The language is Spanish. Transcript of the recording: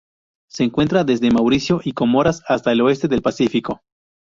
Se encuentra desde Mauricio y Comoras hasta el oeste del Pacífico.